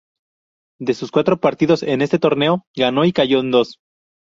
De sus cuatro partidos en este torneo, ganó y cayó en dos.